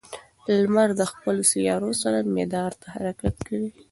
لمر د خپلو سیارو سره مدار حرکت کوي.